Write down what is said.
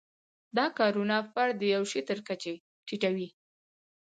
دا کارونه فرد د یوه شي تر کچې ټیټوي.